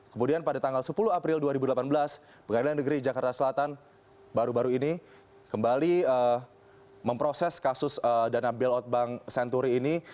kemudian pada tanggal sepuluh april dua ribu delapan belas pengadilan negeri jakarta selatan baru baru ini kembali memproses kasus dana bailout bank senturi ini